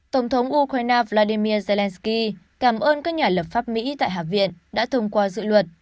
tổng thống ukraine vladimir zelensky cảm ơn các nhà lập pháp mỹ tại hạ viện đã thông qua dự luật